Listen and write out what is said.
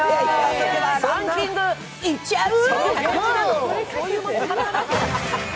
それではランキングいっちゃう？